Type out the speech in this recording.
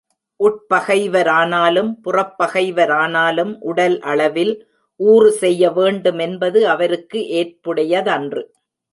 உட்பகைவரானாலும் புறப் பகைவரானாலும் உடல் அளவில் ஊறு செய்ய வேண்டும் என்பது அவருக்கு ஏற்புடையதன்று.